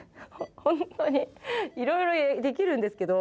本当にいろいろできるんですけど